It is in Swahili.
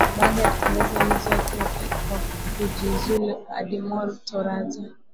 baada ya kutangaza uamuzi wake wakujiuzulu adimore toraja